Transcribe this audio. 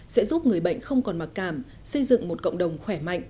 sẽ giúp người bệnh không còn mặc cảm xây dựng một cộng đồng khỏe mạnh